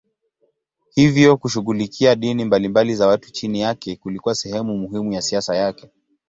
Hivyo kushughulikia dini mbalimbali za watu chini yake kulikuwa sehemu muhimu ya siasa yake.